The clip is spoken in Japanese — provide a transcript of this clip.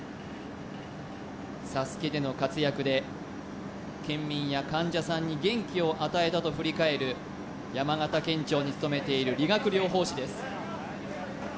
ＳＡＳＵＫＥでの活躍で県民や患者さんに元気を与えたと振り返る山形県庁に勤めている理学療法士です